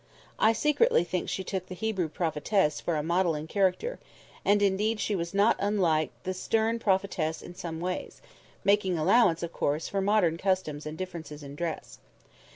I secretly think she took the Hebrew prophetess for a model in character; and, indeed, she was not unlike the stern prophetess in some ways, making allowance, of course, for modern customs and difference in dress.